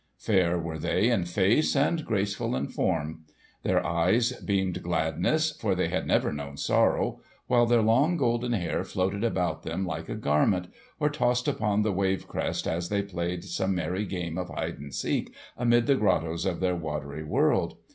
Fair were they in face, and graceful in form. Their eyes beamed gladness, for they had never known sorrow; while their long golden hair floated about them like a garment, or tossed upon the wave crest as they played some merry game of hide and seek amid the grottoes of their watery world.